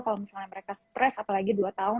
kalau misalnya mereka stres apalagi dua tahun